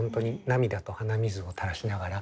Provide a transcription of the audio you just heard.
涙と鼻水をたらしながら。